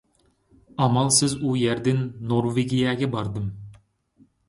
ئامالسىز ئۇ يەردىن نورۋېگىيەگە باردىم.